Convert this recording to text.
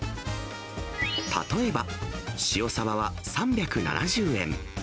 例えば、塩さばは３７０円。